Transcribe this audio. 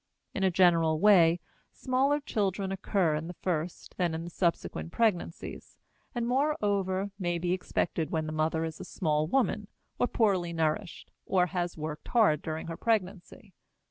In a general way, smaller children occur in the first than in subsequent pregnancies, and, moreover, may be expected when the mother is a small woman, or poorly nourished, or has worked hard during her pregnancy.